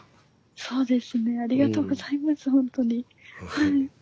そうですねありがとうございますほんとにはい。